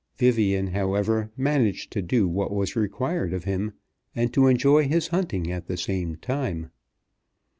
Vivian, however, managed to do what was required of him, and to enjoy his hunting at the same time.